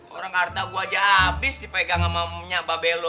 orang harta gue aja abis dipegang sama punya mba bello